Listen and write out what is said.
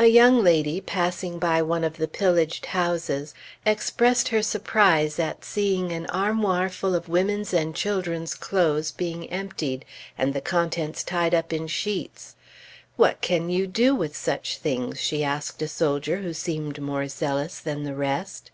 A young lady, passing by one of the pillaged houses, expressed her surprise at seeing an armoir full of women's and children's clothes being emptied, and the contents tied up in sheets. "What can you do with such things?" she asked a soldier who seemed more zealous than the rest.